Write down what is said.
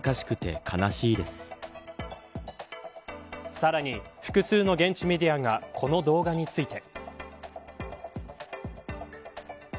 さらに複数の現地メディアがこの動画について。